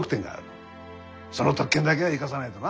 その特権だけは生かさないとな。